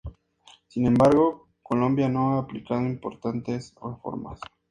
Sin embargo, Colombia no ha aplicado importantes reformas.